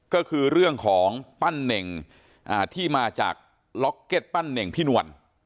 ก็คือเรื่องของปั้นเน่งที่มาจากล็อกเก็ตปั้นเน่งพี่นวล